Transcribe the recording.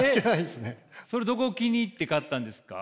それどこを気に入って買ったんですか？